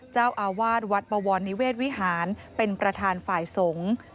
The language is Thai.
เจ้าอาวาสวัดบวรนิเวศวิหารเป็นประธานฝ่ายสงฆ์